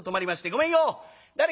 ごめんよ」。